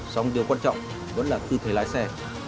xong điều quan trọng vẫn là tư thế lái xe